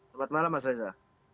selamat malam mas reza